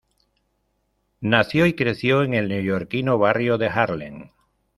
Nació y creció en el neoyorquino barrio de Harlem.